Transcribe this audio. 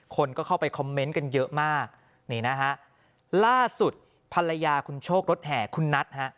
คนก็เข้าไปคอมเมนต์กันเยอะมากนี่นะฮะล่าสุดภรรยาคุณโชครถแห่คุณนัทฮะ